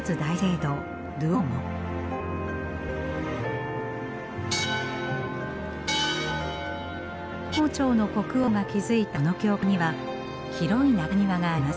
ノルマン王朝の国王が築いたこの教会には広い中庭があります。